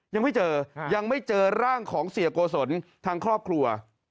ยังไม่เจอยังไม่เจอร่างของเสียโกศลทางครอบครัว